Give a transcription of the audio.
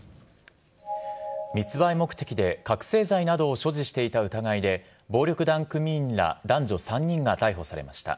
密売目的で覚醒剤などを所持していた疑いで、暴力団組員ら男女３人が逮捕されました。